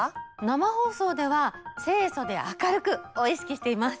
生放送では清楚で明るく！を意識しています。